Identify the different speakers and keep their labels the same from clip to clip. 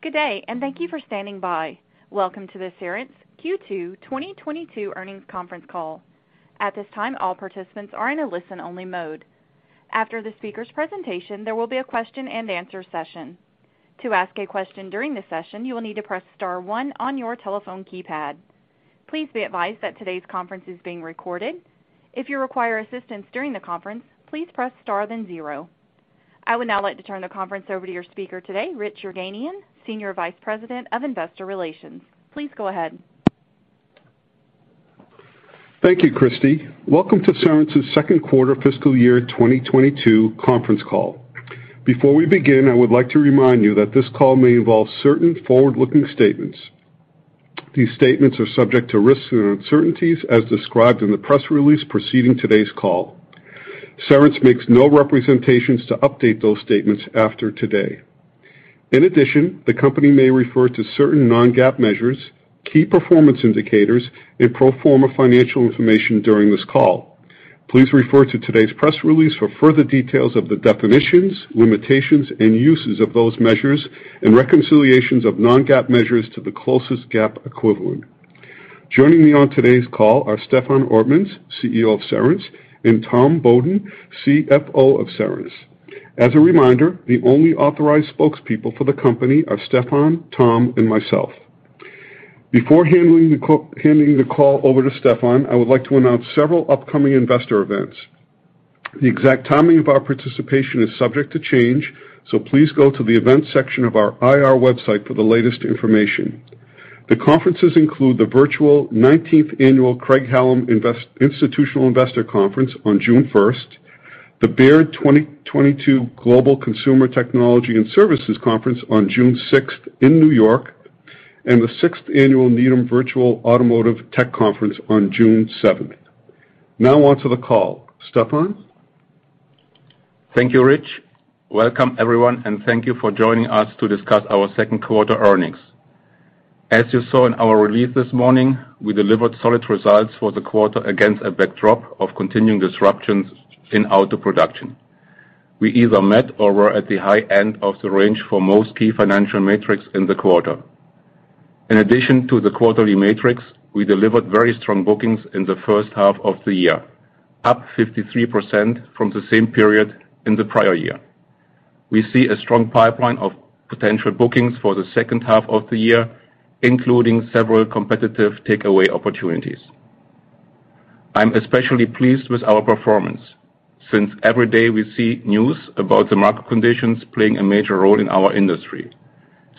Speaker 1: Good day, and thank you for standing by. Welcome to the Cerence Q2 2022 earnings conference call. At this time, all participants are in a listen-only mode. After the speaker's presentation, there will be a Q&A session. To ask a question during the session, you will need to press star one on your telephone keypad. Please be advised that today's conference is being recorded. If you require assistance during the conference, please press star, then zero. I would now like to turn the conference over to your speaker today, Rich Yerganian, Senior Vice President of Investor Relations. Please go ahead.
Speaker 2: Thank you, Christy. Welcome to Cerence's Q2 fiscal year 2022 conference call. Before we begin, I would like to remind you that this call may involve certain forward-looking statements. These statements are subject to risks and uncertainties as described in the press release preceding today's call. Cerence makes no representations to update those statements after today. In addition, the company may refer to certain non-GAAP measures, key performance indicators, and pro forma financial information during this call. Please refer to today's press release for further details of the definitions, limitations, and uses of those measures and reconciliations of non-GAAP measures to the closest GAAP equivalent. Joining me on today's call are Stefan Ortmanns, Chief Executive Officer of Cerence, and Tom Beaudoin, Chief Financial Officer of Cerence. As a reminder, the only authorized spokespeople for the company are Stefan, Tom, and myself. Before handing the call over to Stefan, I would like to announce several upcoming investor events. The exact timing of our participation is subject to change, so please go to the events section of our IR website for the latest information. The conferences include the virtual 19th Annual Craig-Hallum Institutional Investor Conference on June 1, the Baird 2022 Global Consumer Technology and Services Conference on June 6 in New York, and the 6th annual Needham Virtual Automotive Tech Conference on June 7. Now on to the call. Stefan?
Speaker 3: Thank you, Rich. Welcome, everyone, and thank you for joining us to discuss our Q2 earnings. As you saw in our release this morning, we delivered solid results for the quarter against a backdrop of continuing disruptions in auto production. We either met or were at the high end of the range for most key financial metrics in the quarter. In addition to the quarterly metrics, we delivered very strong bookings in the first half of the year, up 53% from the same period in the prior year. We see a strong pipeline of potential bookings for the second half of the year, including several competitive takeaway opportunities. I'm especially pleased with our performance since every day we see news about the market conditions playing a major role in our industry.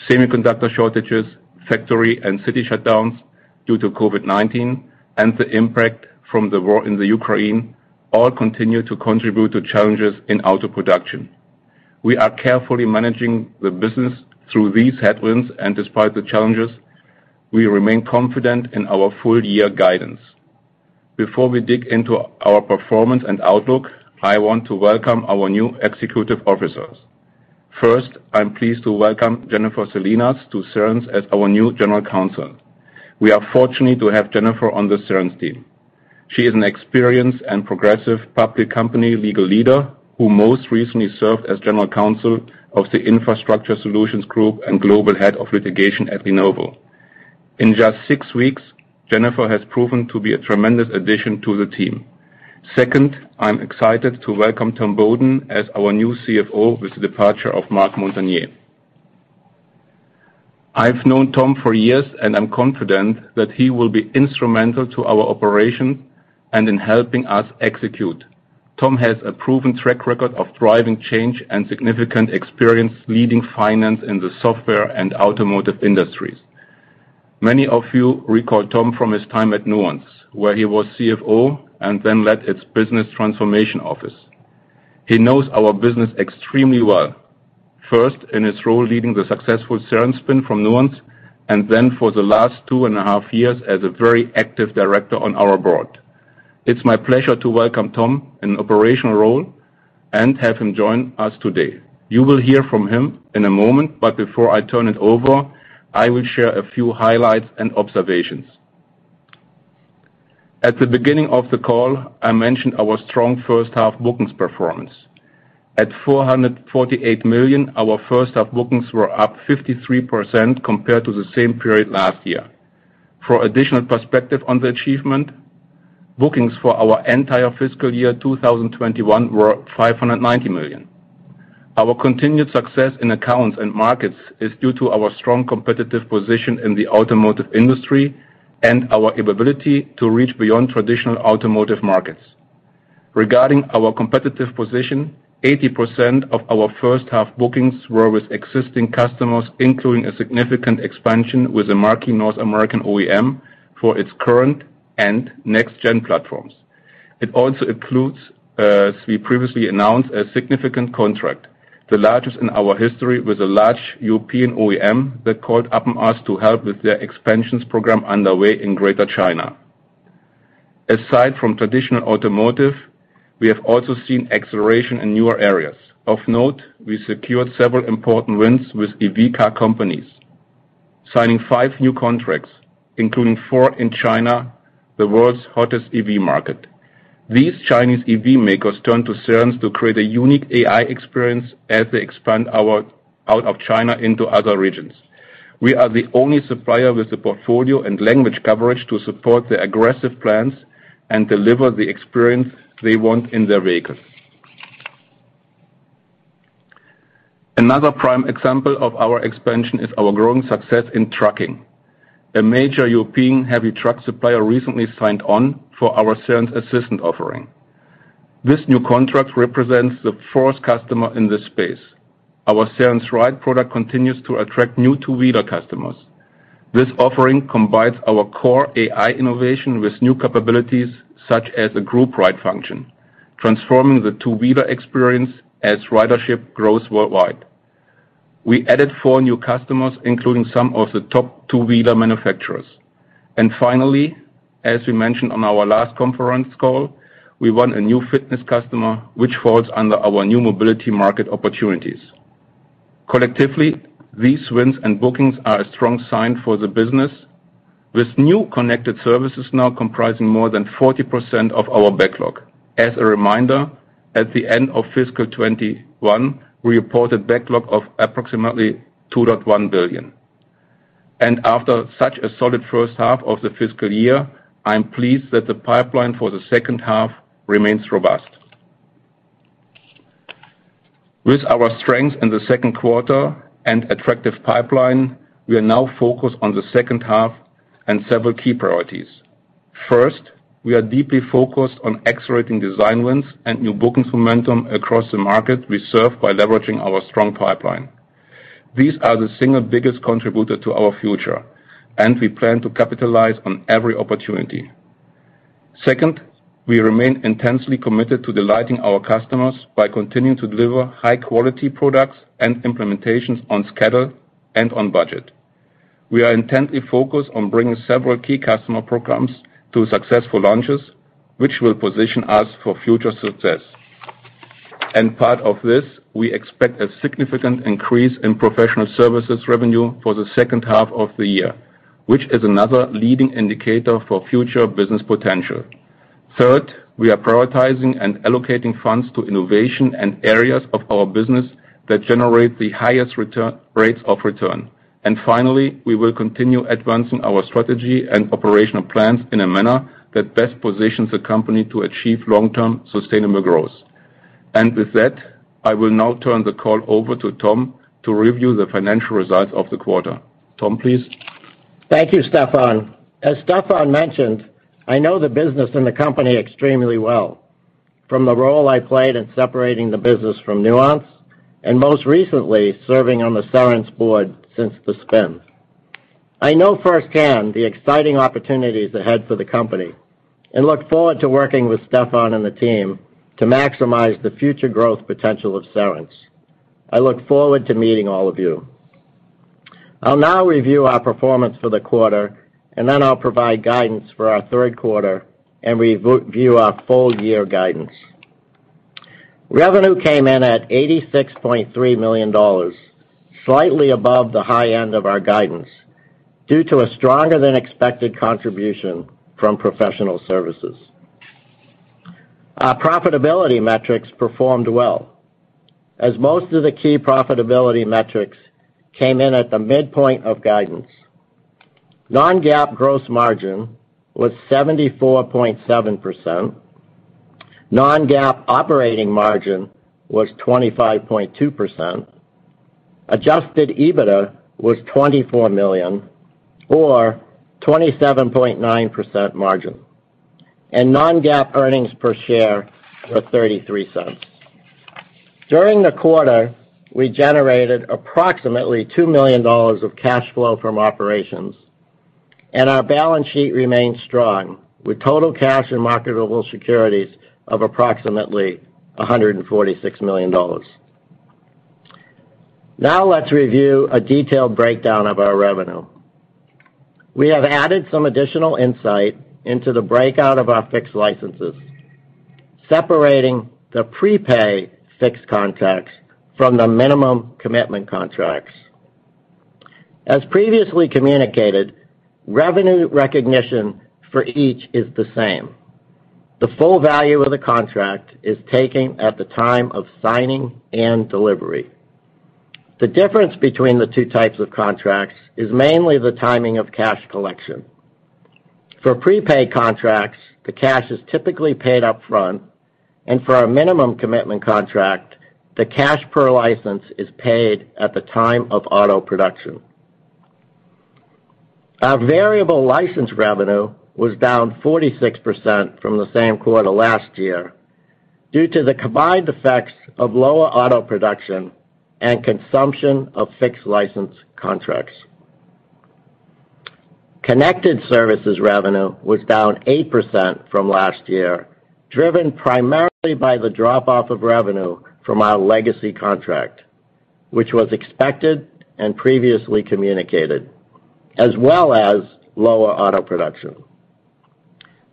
Speaker 3: Semiconductor shortages, factory and city shutdowns due to COVID-19, and the impact from the war in the Ukraine all continue to contribute to challenges in auto production. We are carefully managing the business through these headwinds, and despite the challenges, we remain confident in our full year guidance. Before we dig into our performance and outlook, I want to welcome our new executive officers. First, I'm pleased to welcome Jennifer Salinas to Cerence as our new General Counsel. We are fortunate to have Jennifer on the Cerence team. She is an experienced and progressive public company legal leader who most recently served as general counsel of the Infrastructure Solutions Group and Global Head of Litigation at Lenovo. In just six weeks, Jennifer has proven to be a tremendous addition to the team. Second, I'm excited to welcome Tom Beaudoin as our new Chief Financial Officer with the departure of Marc Montagner. I've known Tom for years, and I'm confident that he will be instrumental to our operations and in helping us execute. Tom has a proven track record of driving change and significant experience leading finance in the software and automotive industries. Many of you recall Tom from his time at Nuance, where he was Chief Financial Officer and then led its business transformation office. He knows our business extremely well, first in his role leading the successful Cerence spin from Nuance, and then for the last two and a half years as a very active director on our board. It's my pleasure to welcome Tom in an operational role and have him join us today. You will hear from him in a moment, but before I turn it over, I will share a few highlights and observations. At the beginning of the call, I mentioned our strong first half bookings performance. At $448 million, our first half bookings were up 53% compared to the same period last year. For additional perspective on the achievement, bookings for our entire fiscal year 2021 were $590 million. Our continued success in accounts and markets is due to our strong competitive position in the automotive industry and our ability to reach beyond traditional automotive markets. Regarding our competitive position, 80% of our first half bookings were with existing customers, including a significant expansion with a marquee North American OEM for its current and next gen platforms. It also includes, as we previously announced, a significant contract, the largest in our history, with a large European OEM that called upon us to help with their expansions program underway in Greater China. Aside from traditional automotive, we have also seen acceleration in newer areas. Of note, we secured several important wins with EV car companies. Signing five new contracts, including four in China, the world's hottest EV market. These Chinese EV makers turn to Cerence to create a unique AI experience as they expand out of China into other regions. We are the only supplier with the portfolio and language coverage to support their aggressive plans and deliver the experience they want in their vehicles. Another prime example of our expansion is our growing success in trucking. A major European heavy truck supplier recently signed on for our Cerence Assistant offering. This new contract represents the first customer in this space. Our Cerence Ride product continues to attract new two-wheeler customers. This offering combines our core AI innovation with new capabilities such as the group ride function, transforming the two-wheeler experience as ridership grows worldwide. We added four new customers, including some of the top two-wheeler manufacturers. Finally, as we mentioned on our last conference call, we won a new fitness customer, which falls under our new mobility market opportunities. Collectively, these wins and bookings are a strong sign for the business, with new connected services now comprising more than 40% of our backlog. As a reminder, at the end of fiscal 2021, we reported backlog of approximately $2.1 billion. After such a solid first half of the fiscal year, I am pleased that the pipeline for the second half remains robust. With our strength in the Q2 and attractive pipeline, we are now focused on the second half and several key priorities. First, we are deeply focused on accelerating design wins and new bookings momentum across the market we serve by leveraging our strong pipeline. These are the single biggest contributor to our future, and we plan to capitalize on every opportunity. Second, we remain intensely committed to delighting our customers by continuing to deliver high-quality products and implementations on schedule and on budget. We are intently focused on bringing several key customer programs to successful launches, which will position us for future success. Part of this, we expect a significant increase in professional services revenue for the second half of the year, which is another leading indicator for future business potential. Third, we are prioritizing and allocating funds to innovation and areas of our business that generate the highest rates of return. Finally, we will continue advancing our strategy and operational plans in a manner that best positions the company to achieve long-term sustainable growth. With that, I will now turn the call over to Tom to review the financial results of the quarter. Tom, please.
Speaker 4: Thank you, Stefan. As Stefan mentioned, I know the business and the company extremely well from the role I played in separating the business from Nuance, and most recently, serving on the Cerence board since the spin. I know firsthand the exciting opportunities ahead for the company, and look forward to working with Stefan and the team to maximize the future growth potential of Cerence. I look forward to meeting all of you. I'll now review our performance for the quarter, and then I'll provide guidance for our Q3 and review our full year guidance. Revenue came in at $86.3 million, slightly above the high end of our guidance, due to a stronger than expected contribution from professional services. Our profitability metrics performed well as most of the key profitability metrics came in at the midpoint of guidance. Non-GAAP gross margin was 74.7%. Non-GAAP operating margin was 25.2%. Adjusted EBITDA was $24 million or 27.9% margin, and non-GAAP earnings per share were $0.33. During the quarter, we generated approximately $2 million of cash flow from operations, and our balance sheet remains strong, with total cash and marketable securities of approximately $146 million. Now let's review a detailed breakdown of our revenue. We have added some additional insight into the breakout of our fixed licenses, separating the prepay fixed contracts from the minimum commitment contracts. As previously communicated, revenue recognition for each is the same. The full value of the contract is taken at the time of signing and delivery. The difference between the two types of contracts is mainly the timing of cash collection. For prepaid contracts, the cash is typically paid upfront, and for our minimum commitment contract, the cash per license is paid at the time of auto production. Our variable license revenue was down 46% from the same quarter last year due to the combined effects of lower auto production and consumption of fixed license contracts. Connected services revenue was down 8% from last year, driven primarily by the drop-off of revenue from our legacy contract, which was expected and previously communicated, as well as lower auto production.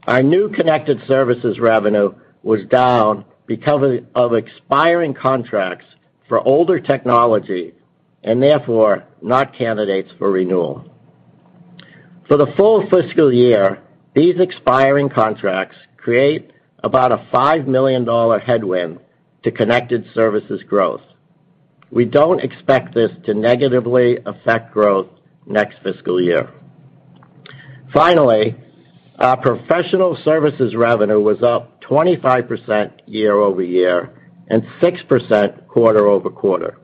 Speaker 4: Our new connected services revenue was down because of expiring contracts for older technology and therefore not candidates for renewal. For the full fiscal year, these expiring contracts create about a $5 million headwind to connected services growth. We don't expect this to negatively affect growth next fiscal year. Finally, our professional services revenue was up 25% year-over-year and 6% quarter-over-quarter.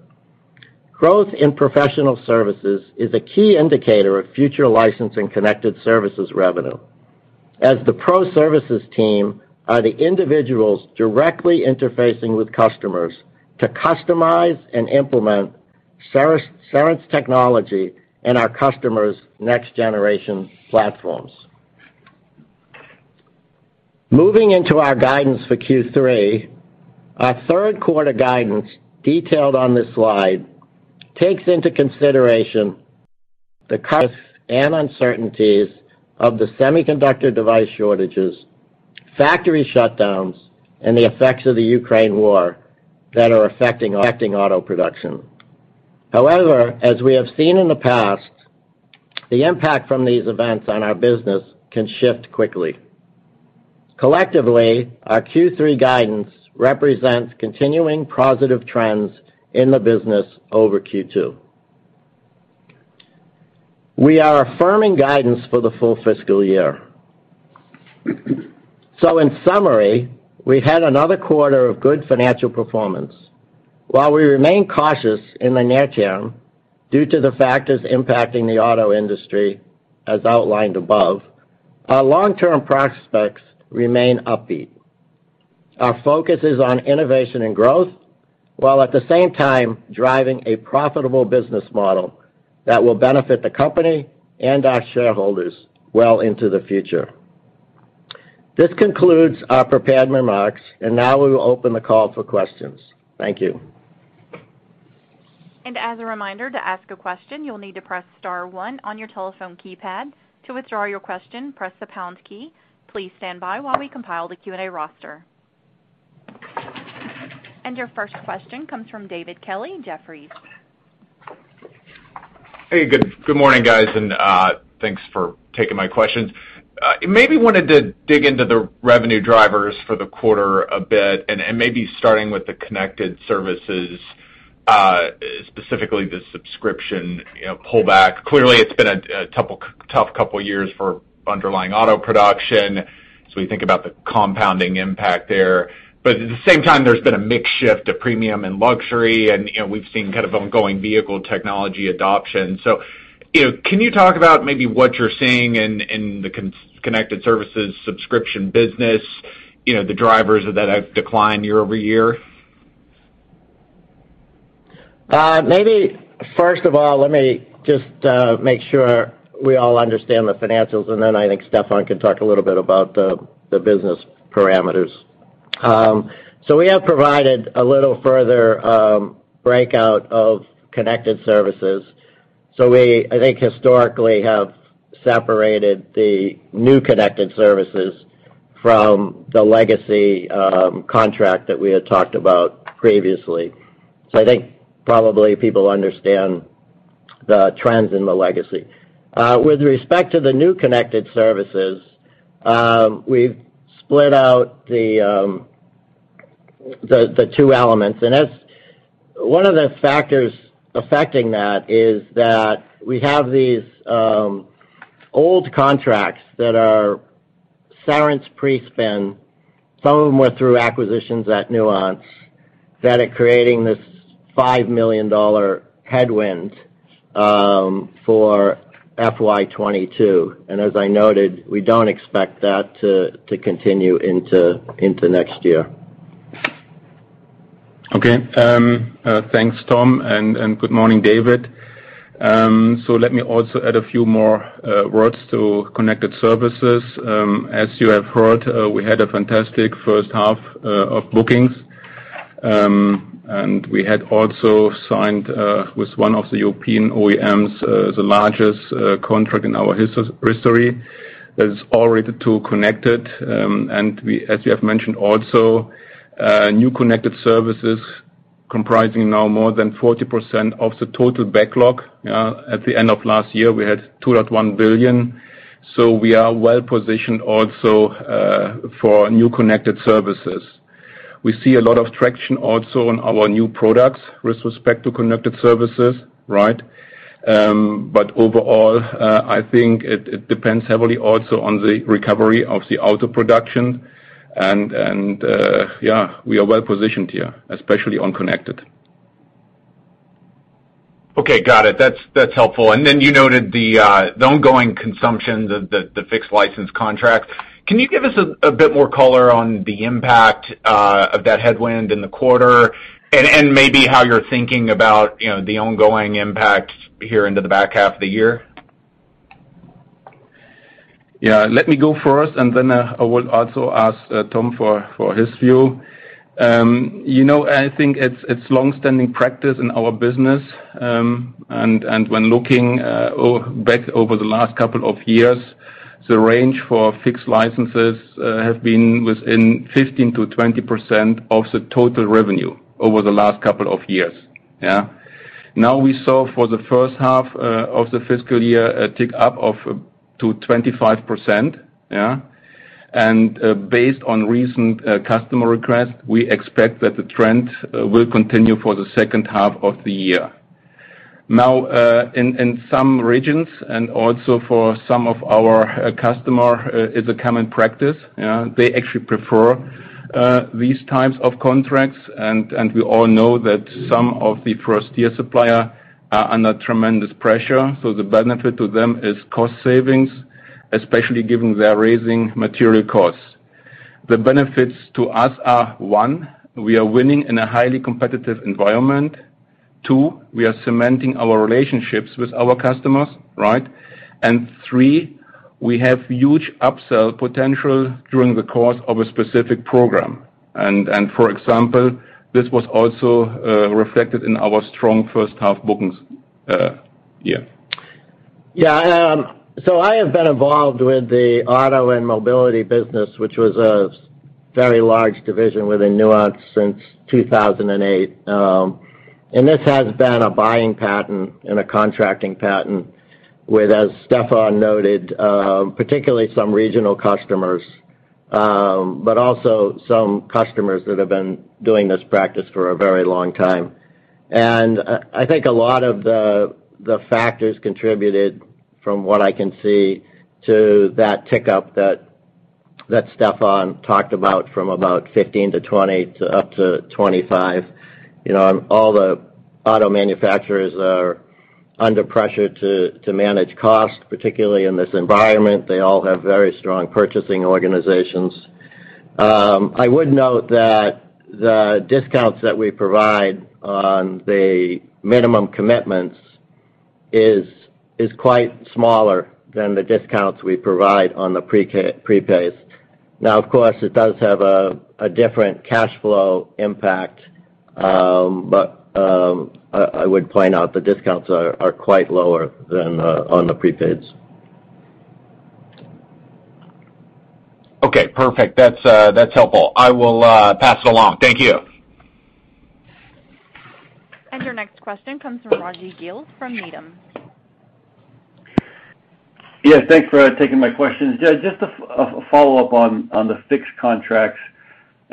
Speaker 4: Growth in professional services is a key indicator of future license and connected services revenue, as the pro services team are the individuals directly interfacing with customers to customize and implement Cerence technology in our customers' next generation platforms. Moving into our guidance for Q3, our Q3 guidance detailed on this slide takes into consideration the currents and uncertainties of the semiconductor device shortages, factory shutdowns, and the effects of the Ukraine war that are affecting auto production. However, as we have seen in the past, the impact from these events on our business can shift quickly. Collectively, our Q3 guidance represents continuing positive trends in the business over Q2. We are affirming guidance for the full fiscal year. In summary, we had another quarter of good financial performance. While we remain cautious in the near term due to the factors impacting the auto industry as outlined above, our long-term prospects remain upbeat. Our focus is on innovation and growth, while at the same time driving a profitable business model that will benefit the company and our shareholders well into the future. This concludes our prepared remarks, and now we will open the call for questions. Thank you.
Speaker 1: As a reminder, to ask a question, you'll need to press star one on your telephone keypad. To withdraw your question, press the pound key. Please stand by while we compile the Q&A roster. Your first question comes from David Kelley, Jefferies.
Speaker 5: Hey, good morning, guys, and thanks for taking my questions. Maybe wanted to dig into the revenue drivers for the quarter a bit and maybe starting with the connected services, specifically the subscription, you know, pullback. Clearly, it's been a tough couple of years for underlying auto production, so we think about the compounding impact there. But at the same time, there's been a mix shift to premium and luxury and, you know, we've seen kind of ongoing vehicle technology adoption. You know, can you talk about maybe what you're seeing in the connected services subscription business, you know, the drivers of that decline year over year?
Speaker 4: Maybe first of all, let me just make sure we all understand the financials, and then I think Stefan can talk a little bit about the business parameters. We have provided a little further breakout of connected services. We, I think, historically have separated the new connected services from the legacy contract that we had talked about previously. I think probably people understand the trends in the legacy. With respect to the new connected services, we've split out the two elements. That's one of the factors affecting that is that we have these old contracts that are Cerence pre-spin. Some of them were through acquisitions at Nuance that are creating this $5 million headwind for FY 2022. As I noted, we don't expect that to continue into next year.
Speaker 3: Okay. Thanks, Tom, and good morning, David. Let me also add a few more words to connected services. As you have heard, we had a fantastic first half of bookings. We had also signed with one of the European OEMs, the largest contract in our history. That is all related to connected, and as we have mentioned also, new connected services comprising now more than 40% of the total backlog. At the end of last year, we had $2.1 billion. We are well-positioned also for new connected services. We see a lot of traction also on our new products with respect to connected services, right? Overall, I think it depends heavily also on the recovery of the auto production. Yeah, we are well-positioned here, especially on connected.
Speaker 5: Okay. Got it. That's helpful. You noted the ongoing consumption, the fixed license contracts. Can you give us a bit more color on the impact of that headwind in the quarter and maybe how you're thinking about, you know, the ongoing impact here into the back half of the year?
Speaker 3: Yeah. Let me go first, and then I will also ask Tom for his view. You know, I think it's long-standing practice in our business, and when looking back over the last couple of years, the range for fixed licenses have been within 15%-20% of the total revenue over the last couple of years. Yeah. Now we saw for the first half of the fiscal year a tick up to 25%. Yeah. Based on recent customer requests, we expect that the trend will continue for the second half of the year. Now, in some regions and also for some of our customer is a common practice, yeah, they actually prefer these types of contracts, and we all know that some of the first-tier supplier are under tremendous pressure, so the benefit to them is cost savings, especially given their rising material costs. The benefits to us are, one, we are winning in a highly competitive environment. Two, we are cementing our relationships with our customers, right? And three, we have huge upsell potential during the course of a specific program. And for example, this was also reflected in our strong first half bookings, yeah.
Speaker 4: Yeah. I have been involved with the auto and mobility business, which was a very large division within Nuance since 2008. This has been a buying pattern and a contracting pattern with, as Stefan noted, particularly some regional customers, but also some customers that have been doing this practice for a very long time. I think a lot of the factors contributed from what I can see to that tick up that Stefan talked about from about 15% to 20% to up to 25%. You know, all the auto manufacturers are under pressure to manage costs, particularly in this environment. They all have very strong purchasing organizations. I would note that the discounts that we provide on the minimum commitments is quite smaller than the discounts we provide on the prepays. Now of course, it does have a different cash flow impact, but I would point out the discounts are quite lower than on the prepays.
Speaker 5: Okay. Perfect. That's helpful. I will pass it along. Thank you.
Speaker 1: Your next question comes from Rajvindra Gill from Needham.
Speaker 6: Yeah, thanks for taking my questions. Just a follow-up on the fixed contracts.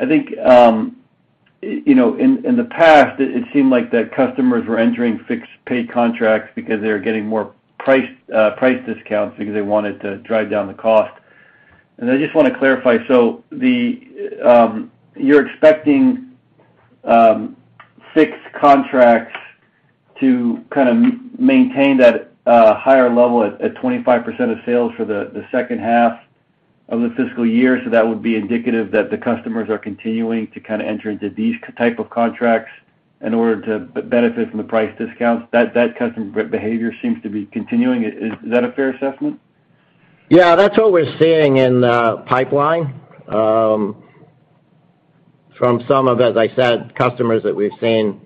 Speaker 6: I think, you know, in the past, it seemed like that customers were entering fixed pay contracts because they were getting more price discounts because they wanted to drive down the cost. I just wanna clarify, so you're expecting fixed contracts to kind of maintain that higher level at 25% of sales for the second half of the fiscal year, so that would be indicative that the customers are continuing to kind of enter into these type of contracts in order to benefit from the price discounts. That customer behavior seems to be continuing. Is that a fair assessment?
Speaker 4: Yeah. That's what we're seeing in the pipeline from some of, as I said, customers that we've seen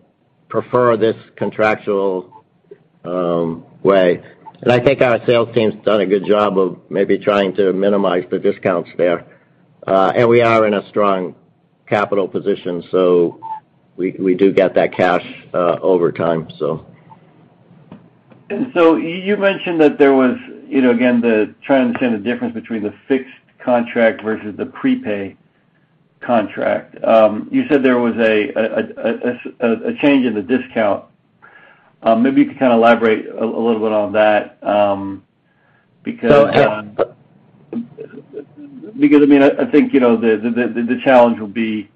Speaker 4: prefer this contractual way. I think our sales team's done a good job of maybe trying to minimize the discounts there. We are in a strong capital position, so we do get that cash over time, so.
Speaker 6: You mentioned that there was, you know, again, the trying to understand the difference between the fixed contract versus the prepay contract. You said there was a change in the discount. Maybe you could kind of elaborate a little bit on that, because,
Speaker 4: Oh, yeah.
Speaker 6: Because, I mean, I think, you know, the challenge will be,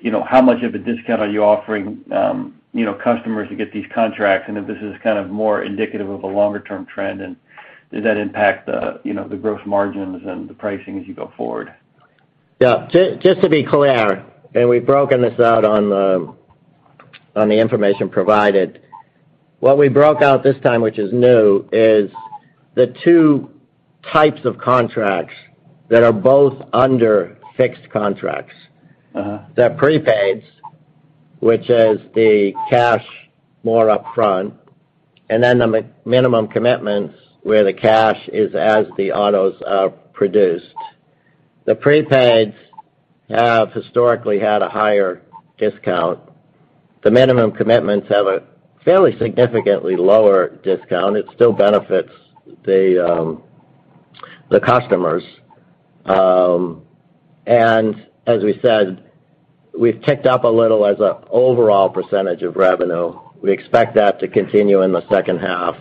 Speaker 6: you know, how much of a discount are you offering, you know, customers to get these contracts, and if this is kind of more indicative of a longer term trend, and does that impact the, you know, the gross margins and the pricing as you go forward?
Speaker 4: Yeah. Just to be clear, and we've broken this out on the information provided. What we broke out this time, which is new, is the two types of contracts that are both under fixed contracts.
Speaker 6: Uh-huh.
Speaker 4: The prepaids, which is the cash more upfront, and then the minimum commitments where the cash is as the autos are produced. The prepaids have historically had a higher discount. The minimum commitments have a fairly significantly lower discount. It still benefits the customers. As we said, we've ticked up a little as an overall percentage of revenue. We expect that to continue in the second half.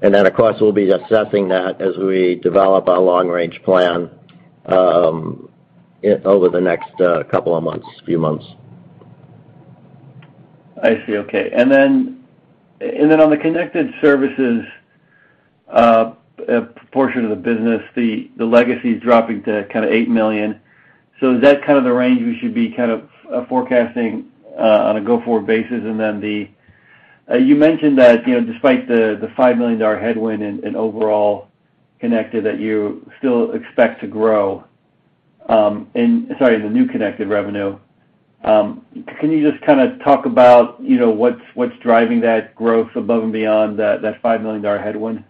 Speaker 4: Then, of course, we'll be assessing that as we develop our long-range plan over the next couple of months, few months.
Speaker 6: I see. Okay. On the connected services portion of the business, the legacy's dropping to kind of $8 million. Is that kind of the range we should be kind of forecasting on a go-forward basis? You mentioned that, you know, despite the $5 million headwind and overall connected that you still expect to grow, sorry, the new connected revenue. Can you just kinda talk about, you know, what's driving that growth above and beyond that $5 million headwind?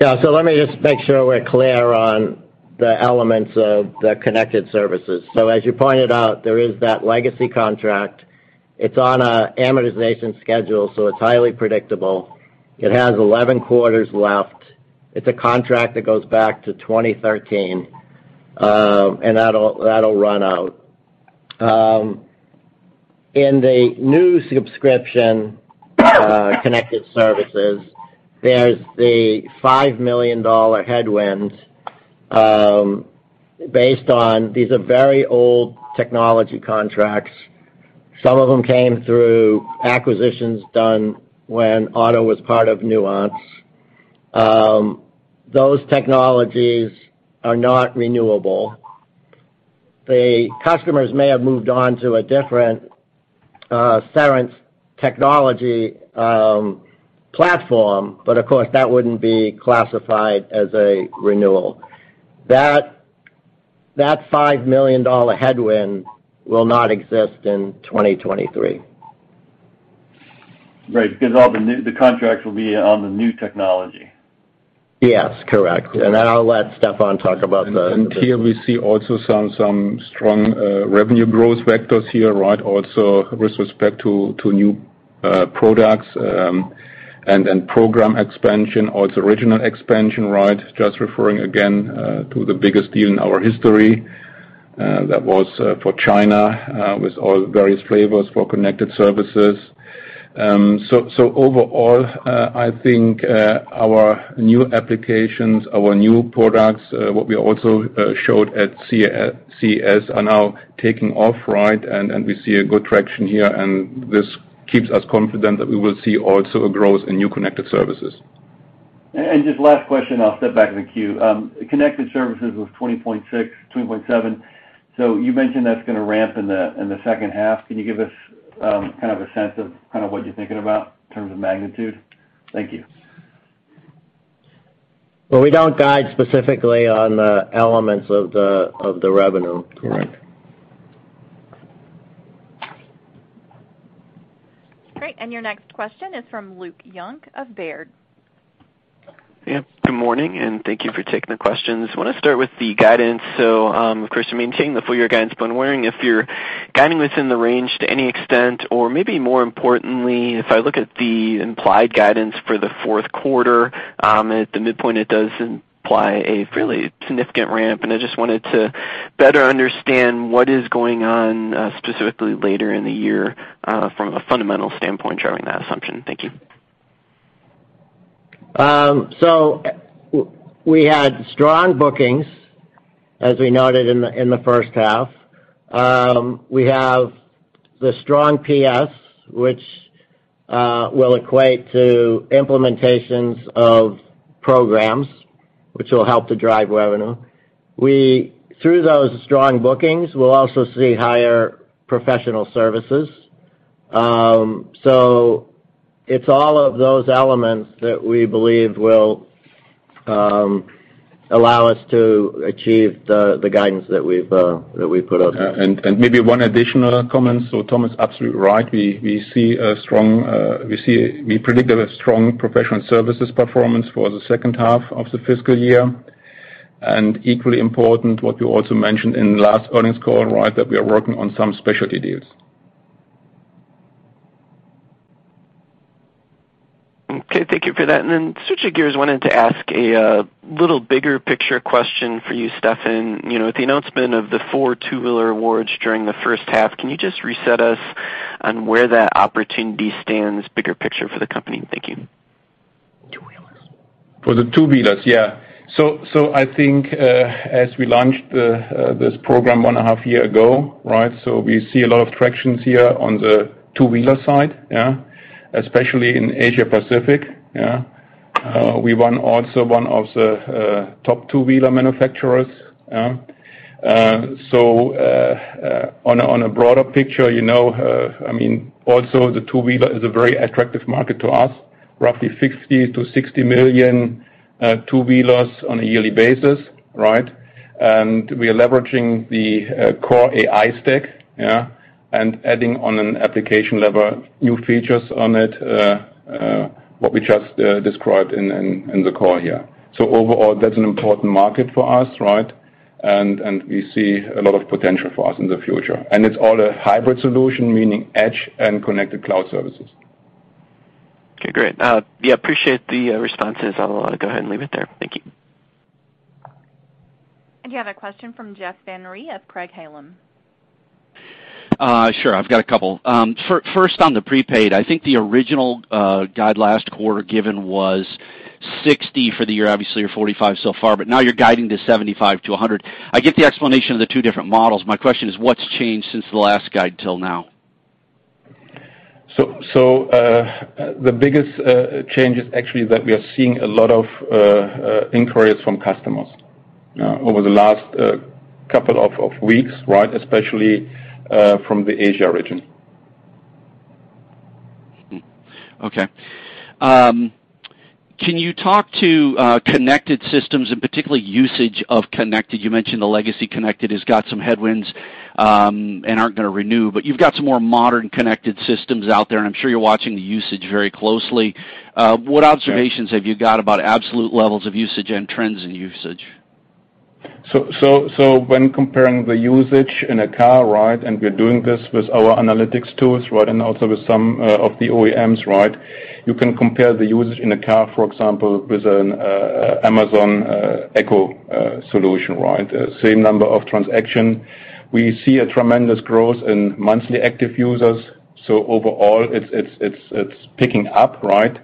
Speaker 4: Yeah. Let me just make sure we're clear on the elements of the connected services. As you pointed out, there is that legacy contract. It's on a amortization schedule, so it's highly predictable. It has 11 quarters left. It's a contract that goes back to 2013, and that'll run out. In the new subscription connected services, there's the $5 million headwind, based on these are very old technology contracts. Some of them came through acquisitions done when auto was part of Nuance. Those technologies are not renewable. The customers may have moved on to a different Cerence technology platform, but of course, that wouldn't be classified as a renewal. That $5 million headwind will not exist in 2023.
Speaker 6: Right. Because the contracts will be on the new technology.
Speaker 4: Yes. Correct.
Speaker 6: Yeah.
Speaker 4: I'll let Stefan talk about the.
Speaker 3: Here we see also some strong revenue growth vectors here, right? Also with respect to new products and program expansion or the original expansion, right? Just referring again to the biggest deal in our history that was for China with all various flavors for connected services. So overall, I think our new applications, our new products, what we also showed at CES are now taking off, right? We see a good traction here, and this keeps us confident that we will see also a growth in new connected services.
Speaker 6: Just last question, I'll step back in the queue. Connected services was $20.6, $20.7. You mentioned that's gonna ramp in the second half. Can you give us kind of a sense of kind of what you're thinking about in terms of magnitude? Thank you.
Speaker 4: Well, we don't guide specifically on the elements of the revenue.
Speaker 3: Correct.
Speaker 1: Great. Your next question is from Luke Young of Baird.
Speaker 7: Yeah. Good morning, and thank you for taking the questions. I wanna start with the guidance. Of course, you're maintaining the full-year guidance, but I'm wondering if you're guiding within the range to any extent, or maybe more importantly, if I look at the implied guidance for the Q4, at the midpoint, it does imply a really significant ramp, and I just wanted to better understand what is going on, specifically later in the year, from a fundamental standpoint driving that assumption. Thank you.
Speaker 4: We had strong bookings, as we noted in the first half. We have the strong PS, which will equate to implementations of programs which will help to drive revenue. Through those strong bookings, we'll also see higher professional services. It's all of those elements that we believe will allow us to achieve the guidance that we put out there.
Speaker 3: Maybe one additional comment. Tom is absolutely right. We predict a strong professional services performance for the second half of the fiscal year. Equally important, what you also mentioned in the last earnings call, right, that we are working on some specialty deals.
Speaker 7: Okay. Thank you for that. Switching gears, wanted to ask a little bigger picture question for you, Stefan. You know, with the announcement of the four two-wheeler awards during the first half, can you just reset us on where that opportunity stands bigger picture for the company? Thank you.
Speaker 4: Two-wheelers.
Speaker 3: For the two-wheelers, yeah. I think as we launched this program 1.5 years ago, right? We see a lot of traction here on the two-wheeler side, yeah, especially in Asia Pacific, yeah. We also won one of the top two-wheeler manufacturers. On a broader picture, you know, I mean, the two-wheeler is a very attractive market to us, roughly 50 million-60 million two-wheelers on a yearly basis, right? We are leveraging the core AI stack, yeah, and adding on an application level new features on it, what we just described in the call here. Overall, that's an important market for us, right? We see a lot of potential for us in the future. It's all a hybrid solution, meaning edge and connected cloud services.
Speaker 7: Okay, great. Yeah, appreciate the responses. I'll go ahead and leave it there. Thank you.
Speaker 1: You have a question from Jeff Van Rhee of Craig-Hallum.
Speaker 8: Sure. I've got a couple. First on the prepaid, I think the original guide last quarter given was $60 for the year, obviously you're $45 so far, but now you're guiding to $75-$100. I get the explanation of the two different models. My question is what's changed since the last guide till now?
Speaker 3: The biggest change is actually that we are seeing a lot of inquiries from customers over the last couple of weeks, right? Especially from the Asia region.
Speaker 8: Okay. Can you talk to connected services and particularly usage of connected services? You mentioned the legacy connected services has got some headwinds, and aren't gonna renew, but you've got some more modern connected services out there, and I'm sure you're watching the usage very closely.
Speaker 3: Yeah.
Speaker 8: What observations have you got about absolute levels of usage and trends in usage?
Speaker 3: When comparing the usage in a car, right, and we're doing this with our analytics tools, right, and also with some of the OEMs, right? You can compare the usage in a car, for example, with an Amazon Echo solution, right? Same number of transaction. We see a tremendous growth in monthly active users, so overall it's picking up, right?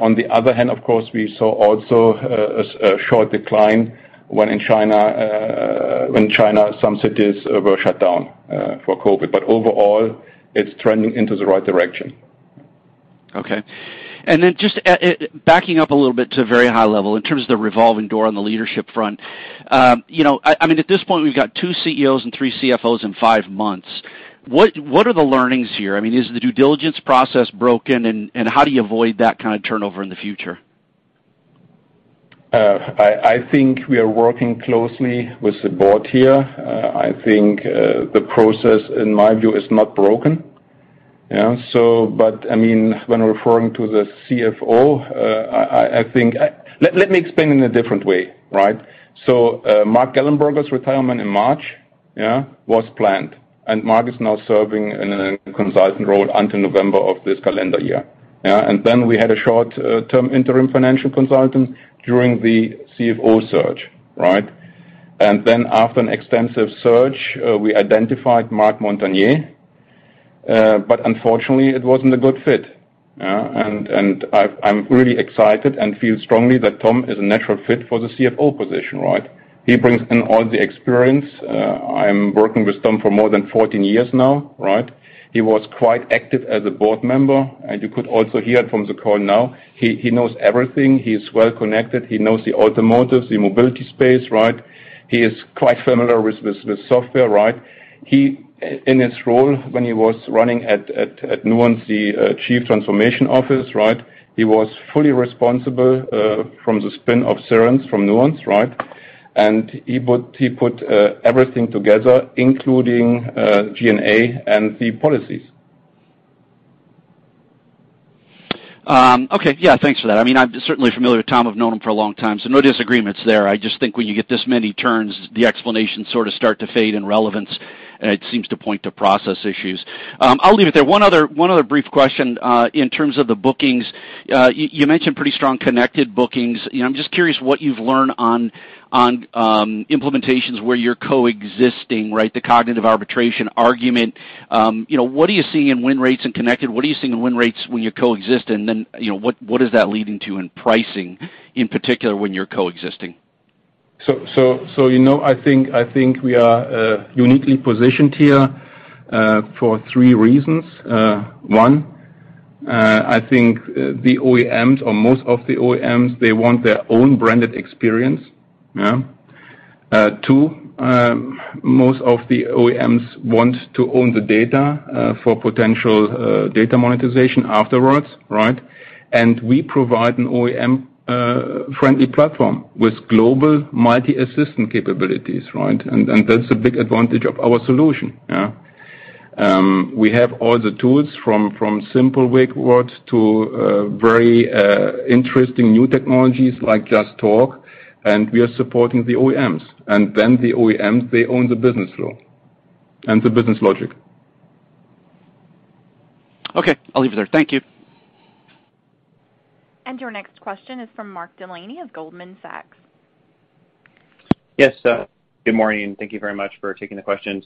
Speaker 3: On the other hand, of course, we saw also a short decline when in China some cities were shut down for COVID. Overall, it's trending into the right direction.
Speaker 8: Okay. Just backing up a little bit to a very high level in terms of the revolving door on the leadership front. You know, I mean, at this point, we've got two Chief Executive Officers and three Chief Financial Officers in five months. What are the learnings here? I mean, is the due diligence process broken, and how do you avoid that kind of turnover in the future?
Speaker 3: I think we are working closely with the board here. I think the process, in my view, is not broken. You know, I mean, when referring to the Chief Financial Officer, I think. Let me explain in a different way, right? Mark Gallenberger's retirement in March, yeah, was planned, and Mark is now serving in a consultant role until November of this calendar year. Yeah. We had a short-term interim financial consultant during the Chief Financial Officer search, right? After an extensive search, we identified Marc Montagner. Unfortunately, it wasn't a good fit, yeah? I'm really excited and feel strongly that Tom is a natural fit for the Chief Financial Officer position, right? He brings in all the experience. I'm working with Tom for more than 14 years now, right? He was quite active as a board member, and you could also hear from the call now, he knows everything. He's well-connected. He knows the automotive, the mobility space, right? He is quite familiar with software, right? In his role when he was running at Nuance, the chief transformation officer, right? He was fully responsible for the spin-off of Cerence from Nuance, right? He put everything together, including G&A and the policies.
Speaker 8: Okay. Yeah, thanks for that. I mean, I'm certainly familiar with Tom. I've known him for a long time, so no disagreements there. I just think when you get this many turns, the explanations sort of start to fade in relevance, and it seems to point to process issues. I'll leave it there. One other brief question. In terms of the bookings, you mentioned pretty strong connected bookings. You know, I'm just curious what you've learned on implementations where you're coexisting, right? The cognitive arbitration argument. You know, what are you seeing in win rates in connected? What are you seeing in win rates when you coexist? And then, you know, what is that leading to in pricing, in particular when you're coexisting?
Speaker 3: You know, I think we are uniquely positioned here for three reasons. One, I think the OEMs or most of the OEMs, they want their own branded experience. Yeah. Two, most of the OEMs want to own the data for potential data monetization afterwards, right? We provide an OEM friendly platform with global multi-assistant capabilities, right? That's a big advantage of our solution. Yeah. We have all the tools from simple wake words to very interesting new technologies like Just Talk, and we are supporting the OEMs. The OEMs, they own the business flow and the business logic.
Speaker 8: Okay, I'll leave it there. Thank you.
Speaker 1: Your next question is from Mark Delaney of Goldman Sachs.
Speaker 9: Yes. Good morning, and thank you very much for taking the questions.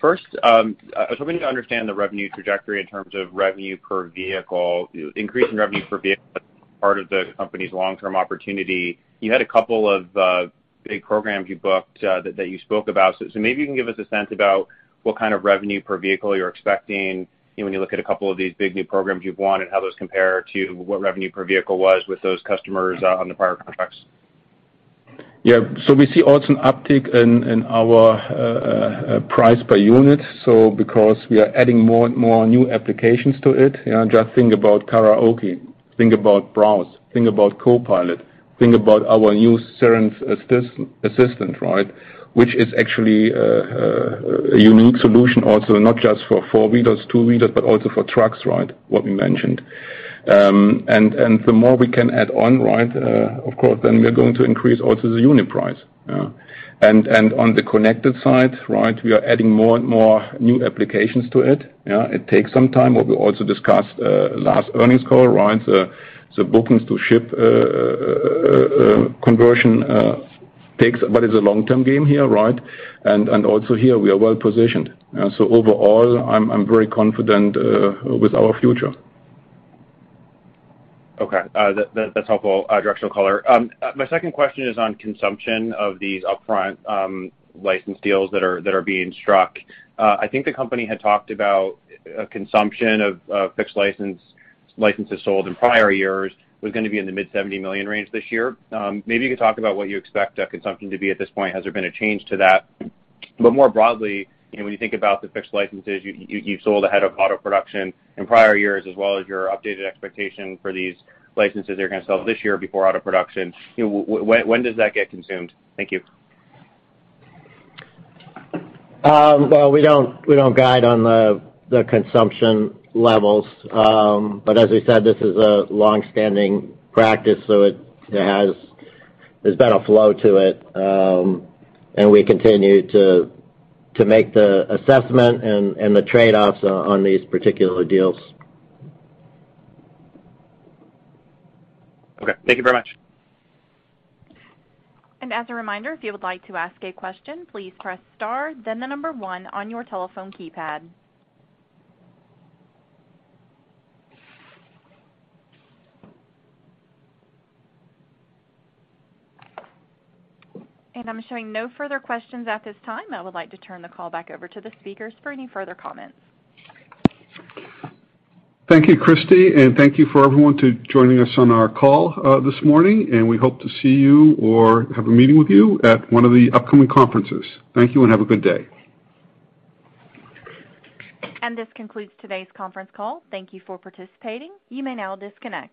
Speaker 9: First, I was hoping to understand the revenue trajectory in terms of revenue per vehicle, increase in revenue per vehicle as part of the company's long-term opportunity. You had a couple of big programs you booked that you spoke about. Maybe you can give us a sense about what kind of revenue per vehicle you're expecting, you know, when you look at a couple of these big new programs you've won and how those compare to what revenue per vehicle was with those customers on the prior contracts.
Speaker 3: Yeah. We see also an uptick in our price per unit, so because we are adding more and more new applications to it. You know, just think about karaoke. Think about Browse. Think about Co-Pilot. Think about our new Cerence Assistant, right? Which is actually a unique solution also, not just for four-wheelers, two-wheelers, but also for trucks, right? What we mentioned. The more we can add on, right, of course, then we're going to increase also the unit price. On the connected side, right, we are adding more and more new applications to it. Yeah. It takes some time. What we also discussed last earnings call, right? The bookings-to-ship conversion takes, but is a long-term game here, right? Also here we are well-positioned. Overall, I'm very confident with our future.
Speaker 9: Okay. That's helpful directional color. My second question is on consumption of these upfront license deals that are being struck. I think the company had talked about a consumption of fixed licenses sold in prior years was gonna be in the mid-$70 million range this year. Maybe you could talk about what you expect consumption to be at this point. Has there been a change to that? More broadly, you know, when you think about the fixed licenses you've sold ahead of auto production in prior years, as well as your updated expectation for these licenses you're gonna sell this year before auto production, you know, when does that get consumed? Thank you.
Speaker 4: Well, we don't guide on the consumption levels. As we said, this is a long-standing practice, so it has. There's been a flow to it. We continue to make the assessment and the trade-offs on these particular deals.
Speaker 9: Okay. Thank you very much.
Speaker 1: As a reminder, if you would like to ask a question, please press star then 1 on your telephone keypad. I'm showing no further questions at this time. I would like to turn the call back over to the speakers for any further comments.
Speaker 2: Thank you, Christy, and thank you to everyone for joining us on our call this morning, and we hope to see you or have a meeting with you at one of the upcoming conferences. Thank you, and have a good day.
Speaker 1: This concludes today's conference call. Thank you for participating. You may now disconnect.